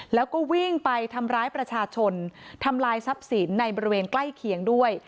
แล้วก็วิ่งไปทำร้ายประชาชนทำลายทรัพย์สินในบริเวณใกล้เคียงด้วย